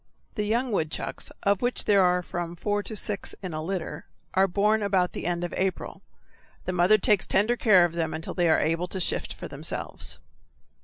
The young woodchucks, of which there are from four to six in a litter, are born about the end of April. The mother takes tender care of them until they are able to shift for themselves.